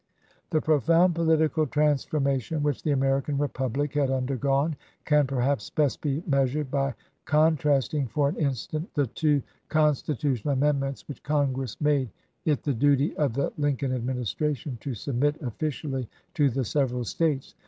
The profound political transformation which the American Eepublic had undergone can perhaps best be measured by contrasting for an instant the two constitutional amendments which Congress made 90 ABRAHAM LINCOLN chap. iv. it the duty of the Lincoln Administration to sub mit officially to the several States.